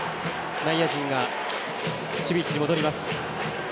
内野陣が守備位置に戻ります。